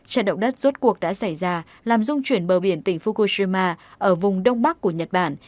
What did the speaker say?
trận động đất rốt cuộc đã xảy ra làm rung chuyển bờ biển tỉnh fukushima ở vùng đông bắc của nhật bản